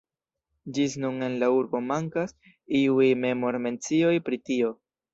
Ĝis nun en la urbo mankas iuj memor-mencioj pri tio.